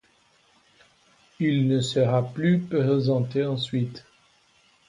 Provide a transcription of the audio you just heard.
Il ne sera plus présenté ensuite.